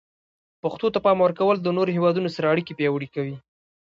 پښتو ته د پام ورکول د نورو هیوادونو سره اړیکې پیاوړي کوي.